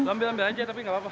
ambil ambil aja tapi gak apa apa